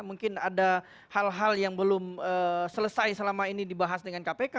mungkin ada hal hal yang belum selesai selama ini dibahas dengan kpk